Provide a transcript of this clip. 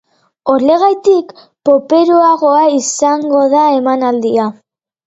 Horregatik, poperoagoa izango da emanaldia.